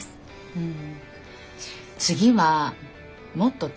うん。